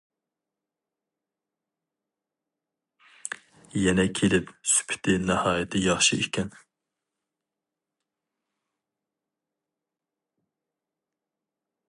يەنە كېلىپ سۈپىتى ناھايىتى ياخشى ئىكەن.